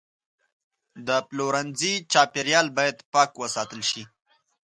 د پلورنځي چاپیریال باید پاک وساتل شي.